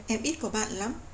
em ít có bạn lắm